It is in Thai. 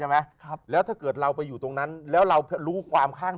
ไหมครับแล้วถ้าเกิดเราไปอยู่ตรงนั้นแล้วเรารู้ความข้าง